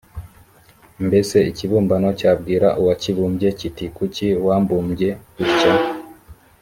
i mbese ikibumbano cyabwira uwakibumbye kiti kuki wambumbye utya